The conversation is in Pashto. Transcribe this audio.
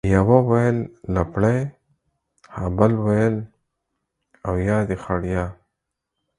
يوه ويل لپړى ، ها بل ويل ، اويا دي خړيه.